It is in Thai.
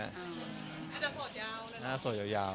อาจจะโสดยาว